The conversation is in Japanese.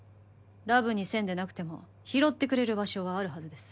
ラブ２０００でなくても拾ってくれる場所はあるはずです